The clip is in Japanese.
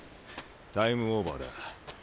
タイムオーバーだ。